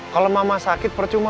kalau mama sakit percuma